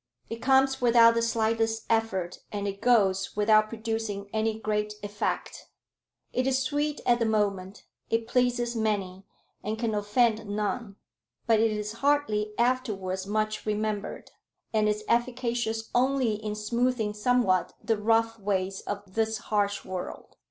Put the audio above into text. It comes without the slightest effort, and it goes without producing any great effect. It is sweet at the moment. It pleases many, and can offend none. But it is hardly afterwards much remembered, and is efficacious only in smoothing somewhat the rough ways of this harsh world.